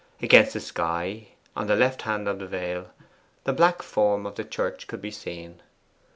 Against the sky, on the left hand of the vale, the black form of the church could be seen.